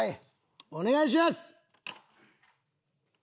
お願いします！